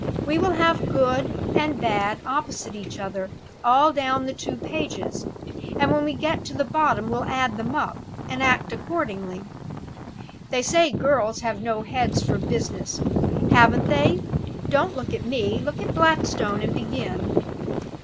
We will have 'Good' and 'Bad' opposite each other, all down the two pages; and when we get to the bottom, we'll add them up, and act accordingly. They say girls have no heads for business. Haven't they! Don't look at me look at Blackstone, and begin."